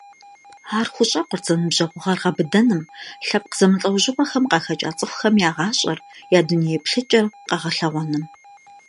Ар хущӏэкъурт зэныбжьэгъугъэр гъэбыдэным, лъэпкъ зэмылӀэужьыгъуэхэм къахэкӀа цӀыхухэм я гъащӀэр, я дуней еплъыкӀэр къэгъэлъэгъуэным.